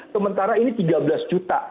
sementara ini tiga belas juta